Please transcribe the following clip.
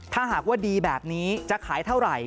ถ้าหากว่าดีแบบนี้จะขายเท่าไหร่